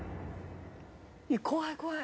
怖い怖い。